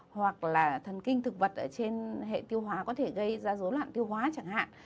hoặc là thần kinh thực vật ở trên hệ tiêu hóa có thể gây ra dối loạn tiêu hóa chẳng hạn